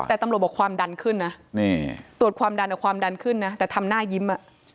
แต่ตำรวจบอกความดันขึ้นนะตรวจความดันเอาความดันขึ้นนะแต่ทำหน้ายิ้ม